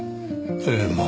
ええまあ。